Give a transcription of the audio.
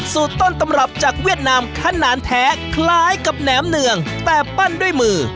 สูตรต้นตำรับจากเวียดนามขนาดแท้คล้ายกับแหนมเนืองแต่ปั้นด้วยมือ